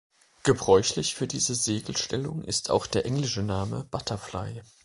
Gebräuchlich für diese Segelstellung ist auch der englische Name „Butterfly“.